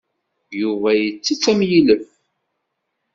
Yuba yettett am yilef.